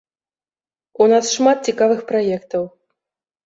У нас шмат цікавых праектаў.